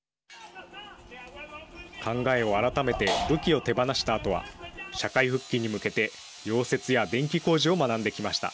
考えを改めて武器を手放したあとは社会復帰に向けて溶接や電気工事を学んできました。